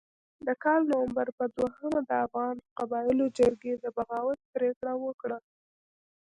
د کال د نومبر په دوهمه د افغان قبایلو جرګې د بغاوت پرېکړه وکړه.